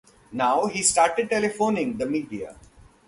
Now he started telephoning the media.